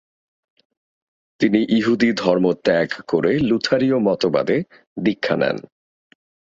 তিনি ইহুদি ধর্ম ত্যাগ করে লুথারীয় মতবাদে দীক্ষা নেন।